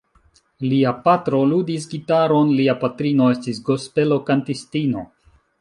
Lia patro ludis gitaron, lia patrino estis gospelo-kantistino.